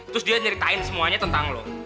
terus dia nyeritain semuanya tentang lo